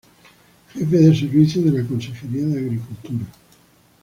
Jefe de Servicio de la Consejería de Agricultura.